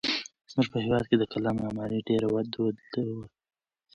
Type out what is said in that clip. زموږ په هېواد کې د کلا معمارۍ ډېره دود وه.